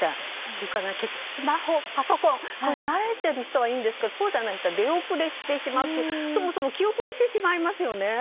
それから結局スマホ、パソコン慣れている人はいいんですけどそうではない人は出遅れしてしまいますしそもそも気後れしてしまいますよね。